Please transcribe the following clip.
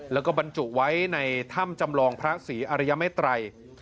แล้วก็บรรจุไว้ในถ้ำจำลองพระศรีอริยเมตรัย